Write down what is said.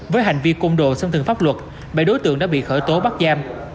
với hành vi côn đồ xâm thường pháp luật bảy đối tượng đã bị khởi tố bắt giam